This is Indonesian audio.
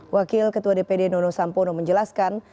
wakil ketua dpd nono sampono menjelaskan